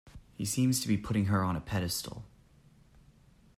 He seems to be putting her on a pedestal.